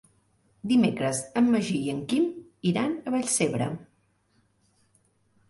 Dimecres en Magí i en Quim iran a Vallcebre.